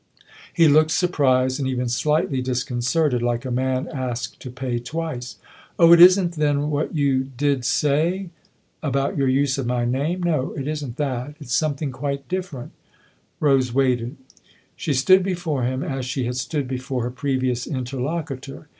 He looked sur prised and even slightly disconcerted, like a man asked to pay twice. " Oh, it isn't then what you did say ?"" About your use of my name ? No, it isn't that it's something quite different." Rose waited ; she stood before him as she had stood before her previous interlocutor.